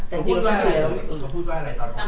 คุณพูดว่าอะไรตอนคุณเข้า